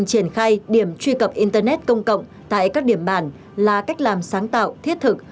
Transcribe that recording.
triển khai điểm truy cập internet công cộng tại các điểm bản là cách làm sáng tạo thiết thực